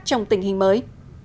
trong tình hình mới